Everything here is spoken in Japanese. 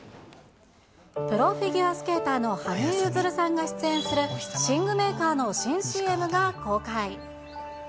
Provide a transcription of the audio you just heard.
プロフィギュアスケーターの羽生結弦さんが出演する、寝具メーカーの新ＣＭが公開。